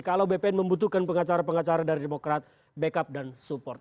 kalau bpn membutuhkan pengacara pengacara dari demokrat backup dan support